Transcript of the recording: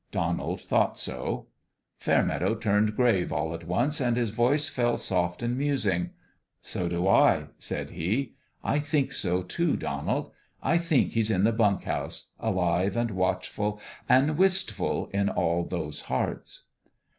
Donald thought so. Fairmeadow turned grave all at once, and his voice fell soft and musing. " So do I," said he. " I think so, too, Donald. I think He's in the bunk house alive and watchful and wistful in all those hearts."